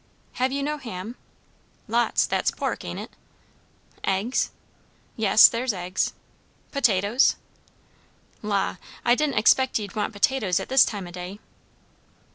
Have you no ham?" "Lots. That's pork, ain't it?" "Eggs?" "Yes, there's eggs." "Potatoes?" "La, I didn't expect ye'd want potatoes at this time o' day."